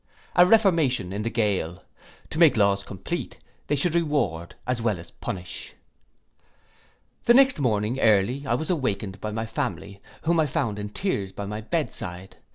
A reformation in the gaol. To make laws complete, they should reward as well as punish. The next morning early I was awakened by my family, whom I found in tears at my bed side.